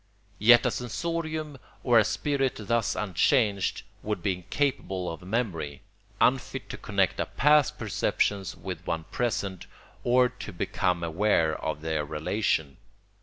Yet a sensorium or a spirit thus unchanged would be incapable of memory, unfit to connect a past perception with one present or to become aware of their relation.